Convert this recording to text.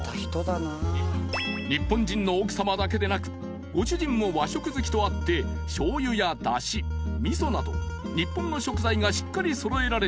［日本人の奥さまだけでなくご主人も和食好きとあってしょうゆやだし味噌など日本の食材がしっかり揃えられている］